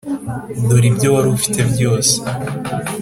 dore ibyo wari ufite byose,